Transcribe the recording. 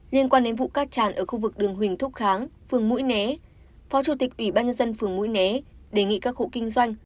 liên quan đến vụ cát tràn ở khu vực đường huỳnh thúc kháng phường mũi né phó chủ tịch ủy ban nhân dân phường mũi né đề nghị các hộ kinh doanh